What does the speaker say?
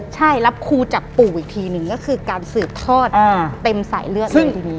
ใช่รับครูจากปู่อีกทีหนึ่งก็คือการสืบทอดเต็มสายเลือดเลยทีนี้